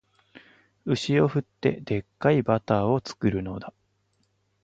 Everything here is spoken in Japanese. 牛を振って、デッカいバターを作るのだ